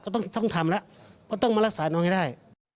ก็ต้องทำแล้วก็ต้องมารักษาน้องให้ได้